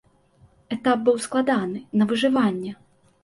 Этап быў складаны, на выжыванне!